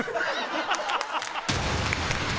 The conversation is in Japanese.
ハハハハ！